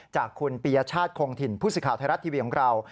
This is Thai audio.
จากคุณปียชาติคงถิ่นผู้สื่อข่าวไทยรัฐทีวีของเรา